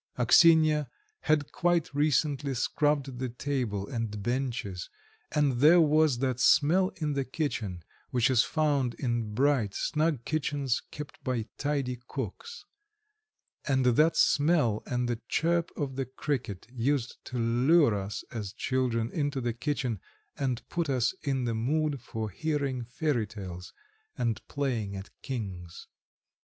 Axinya had quite recently scrubbed the table and benches, and there was that smell in the kitchen which is found in bright, snug kitchens kept by tidy cooks. And that smell and the chirp of the cricket used to lure us as children into the kitchen, and put us in the mood for hearing fairy tales and playing at "Kings"